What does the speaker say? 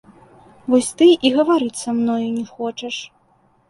Вось ты і гаварыць са мною не хочаш.